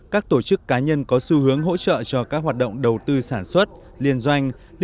các tổ chức cá nhân có xu hướng hỗ trợ cho các hoạt động đầu tư sản xuất liên doanh